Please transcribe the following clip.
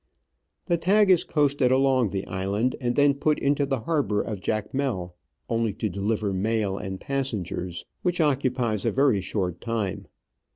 The Tagus coasted along the island, and then put into the harbour of Jacmel, only to deliver mails and passengers, which occupies a very short time.